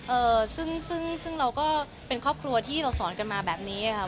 เอ่อซึ่งซึ่งซึ่งเราก็เป็นครอบครัวที่เราสอนกันมาแบบนี้ค่ะ